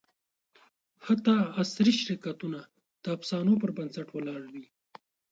حتی عصري شرکتونه د افسانو پر بنسټ ولاړ دي.